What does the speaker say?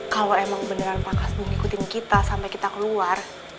kalau memang benar pak kasbung mengikuti kita sampai kita keluar